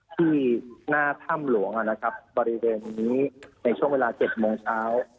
ที่หน้าถ้ำหลวงนะครับบริเวณนี้ในช่วงเวลา๗โมงเช้า